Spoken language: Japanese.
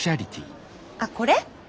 あっこれ？